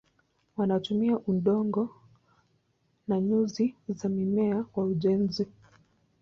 Wanatumia udongo na nyuzi za mimea kwa ujenzi.